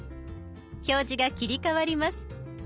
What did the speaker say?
表示が切り替わります。